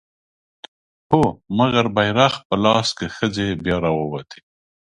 هو! مګر بيرغ په لاس که ښځې بيا راووتې